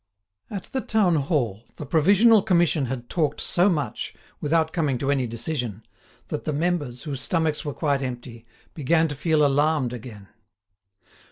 At the town hall, the Provisional Commission had talked so much, without coming to any decision, that the members, whose stomachs were quite empty, began to feel alarmed again.